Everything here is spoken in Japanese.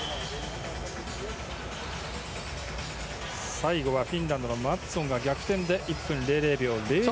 最後はフィンランドのマッツォンが逆転で１分００秒０２。